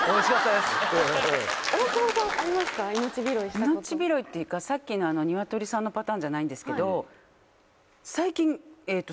命拾いっていうかさっきのニワトリさんのパターンじゃないんですけど最近。